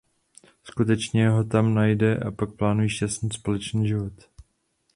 Skutečně ho tam najde a pak plánují šťastný společný život.